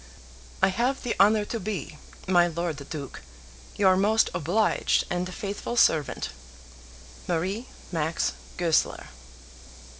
I have the honour to be, My Lord Duke, Your most obliged and faithful servant, MARIE MAX GOESLER.